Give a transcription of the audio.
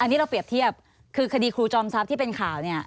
อันนี้เราเปรียบเทียบคือคดีครูจอมทรัพย์ที่เป็นข่าวเนี่ย